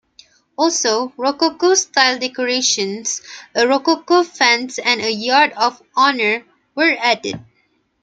Also, Rococo style decorations, a Rococo fence and a yard of honour were added.